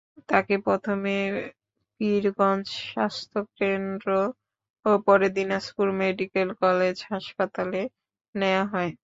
তাঁকে প্রথমে পীরগঞ্জ স্বাস্থ্যকেন্দ্র এবং পরে দিনাজপুর মেডিকেল কলেজ হাসপাতালে নেওয়া হয়।